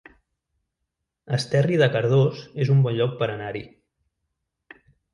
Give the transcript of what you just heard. Esterri de Cardós es un bon lloc per anar-hi